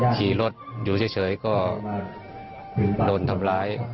ขี่รถอยู่เฉยก็โดนทำร้าย